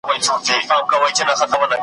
سمدستي ورته خپل ځان را رسومه .